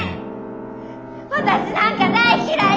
私なんか大嫌い！